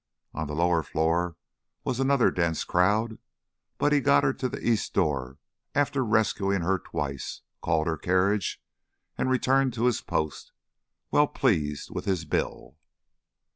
On the lower floor was another dense crowd; but he got her to the East door after rescuing her twice, called her carriage and returned to his post, well pleased with his bill.